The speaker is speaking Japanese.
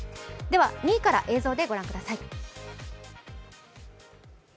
では２位から映像でご覧ください。